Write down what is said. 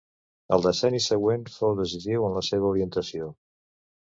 El decenni següent fou decisiu en la seva orientació.